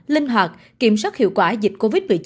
linh hoạt kiểm soát hiệu quả dịch covid một mươi chín